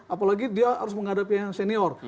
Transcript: apalagi dia harus menghadapi yang senior